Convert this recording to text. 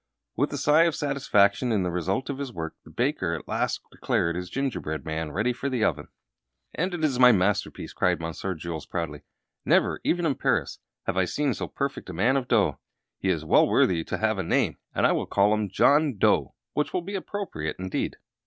With a sigh of satisfaction in the result of his work, the baker at last declared his gingerbread man ready for the oven. "And it is my masterpiece!" cried Monsieur Jules, proudly. "Never, even in Paris, have I seen so perfect a man of dough. He is well worthy to have a name, and I will call him John Dough, which will be appropriate, indeed!"